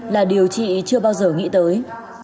là điều chị chưa bao giờ nghĩ tới